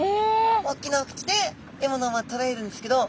大きなお口で獲物をとらえるんですけど。